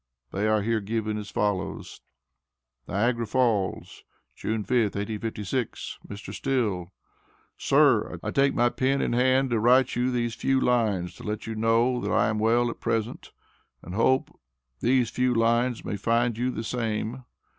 They are here given as follows: NIAGARA FALLS, June 5th, 1856. MR. STILL: Sir I take my pen in hand to write you theas few lines to let you know that I am well at present and hope theas few lines may find you the same.